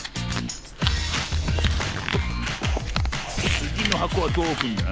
つぎのはこはどうおくんだ？